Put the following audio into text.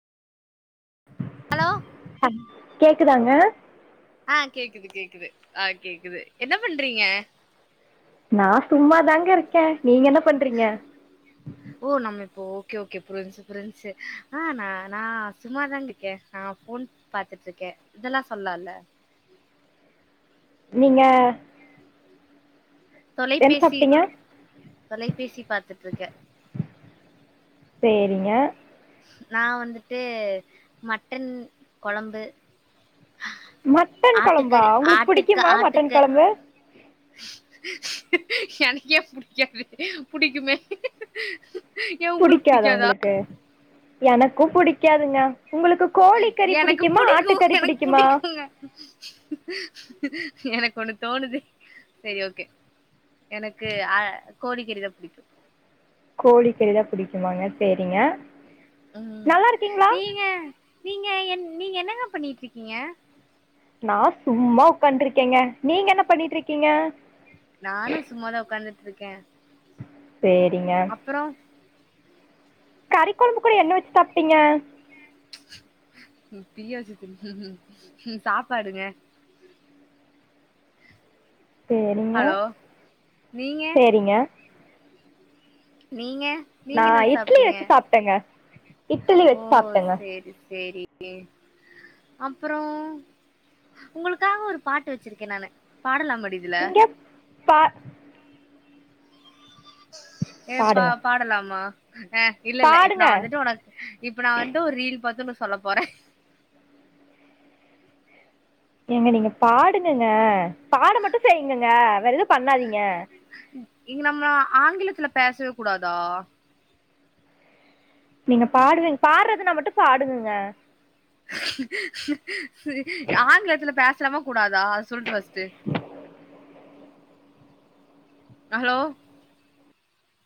hello ஹம் கேக்குதாங்க ஆ கேக்குது கேக்குது ஆ கேக்குது என்ன பண்றீங்க நா சும்மா தாங்க இருக்கே நீங்க என்ன பண்றீங்க ஓ நம்ம இப்போ ஓகே ஓகே புரிஞ்சு புரிஞ்சு ஆ நா நா சும்ம தாங்க இக்கே நா போன் பாத்துட்டு இருக்கே இதெல்லா சொல்லால்ல நீங்க என்ன தொலைபேசி சாப்ட்டீங்க தொலைபேசி பாத்துட் இருக்க செரிங்க நா வந்துட்டு மட்டன் கொழம்பு மட்டன் கொழம்பா ஆட்டுக்கறி உங்களுக்கு ஆட்டுக்க புடிக்குமா ஆட்டுக்க மட்டன் கொழம்பு எனக்கே புடிக்காது புடிக்குமே ஏ உங்களுக்கு புடிக்காத புடிக்காதா உங்களுக்கு எனக்கு புடிக்காதுங்க உங்களுக்கு கோழிக்கறி எனக்கு புடிக்குமா புடிக்கு ஆட்டுக்கறி எனக்கு புடிக்குமா புடிக்குங்க எனக்கு ஒன்னு தோணுத செரி ஓகே எனக்கு அ கோழிக்கறிதா புடிக்கு கோழிக்கறிதா புடிக்குமாங்க செரிங்க ம் நீங்க நீங்க என் நீங்க என்னங்க பண்ணிட்டு இருக்கீங்க நா சும்மா உட்காண்டருக்கேங்க நீங்க என்ன பண்ணிட்டு இருக்கீங்க நானு சும்மாதா உக்காந்துட்ருக்கே சேரிங்க புறோ கறி கொழம்புக்கூட என்ன வச்சி சாப்ட்டீங்க பீய வச்சு தின் சாப்பாடுங்க செரிங்க ஹலோ நீங்க செரிங்க நீங்க நா நீங்க என்ன இட்லி சாப்ட்டீங்க வச்சி சாப்டங்க இட்டிலி வச்சி சாப்டங்க எரி செரி கே அப்றோ உங்களுக்காக ஒரு பாட்டு வச்சிருக்கே நானு பாடலா பாடி இங்கப் பா ஏ பா பாடுங்க பாடலாமா அ இல்ல இல்ல இப்ப பாடுங்க நா வந்துட்டு உனக் இப்ப நா வந்து ஒரு ரீல் பாத்துனு சொல்ல போறே ஏங்க நீங்க பாடுங்கங்க பாட மட்டு செய்யுங்கங்க வேற எதுவு பண்ணாதீங்க இங்க நம்ம ஆங்கிலத்துல பேசவே கூடாதா நீங்க பாடுங்க பாடுறதுனா மட்டு பாடுங்கங்க ஆங்கிலத்துல பேசலமா கூடாதா அத சொல்லுங்க ஃபஸ்ட்டு ஹலோ